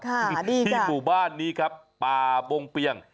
ที่นี่ที่หมู่บ้านนี้ครับป่าบงเปียง